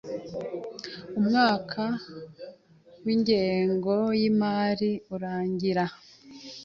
umwaka w’ingengo y’imari urangira.